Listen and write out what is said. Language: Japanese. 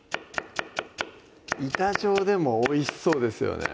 板状でもおいしそうですよね